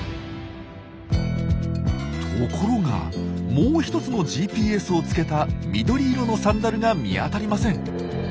ところがもう一つのＧＰＳを付けた緑色のサンダルが見当たりません。